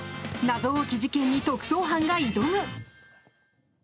謎多き事件に特捜班が挑む！